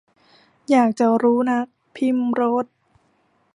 อยากจะรู้นัก - พริมโรส